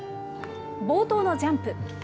冒頭のジャンプ。